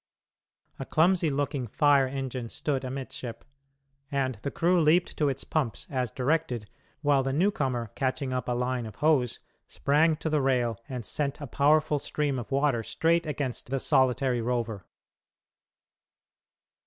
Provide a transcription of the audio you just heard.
A clumsy looking fire engine stood amidship, and the crew leaped to its pumps as directed, while the newcomer, catching up a line of hose, sprang to the rail and sent a powerful stream of water straight against the solitary rover.